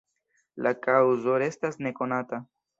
La kaŭzo restas ne konata.